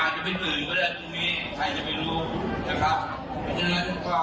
ปีที่๗๘เสร็จแล้วย่าง๗๙แล้ว